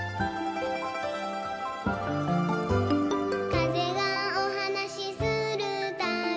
「かぜがおはなしするたび」